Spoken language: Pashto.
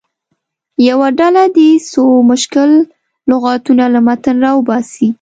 یوه ډله دې څو مشکل لغتونه له متن راوباسي.